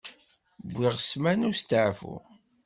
Wwiɣ ssmana usteɛfu.